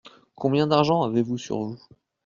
Combien d’argent avez-vous sur vous ?